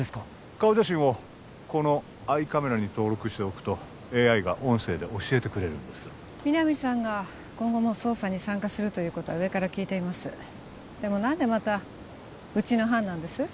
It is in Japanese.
顔写真をこのアイカメラに登録しておくとＡＩが音声で教えてくれるんです皆実さんが今後も捜査に参加するということは上から聞いていますでも何でまたうちの班なんです？